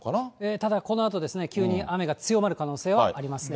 ただこのあと、急に雨が強まる可能性はありますね。